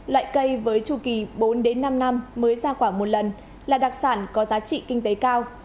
loại cây với tru kỳ bốn năm năm mới ra quả một lần là đặc sản có giá trị kinh tế cao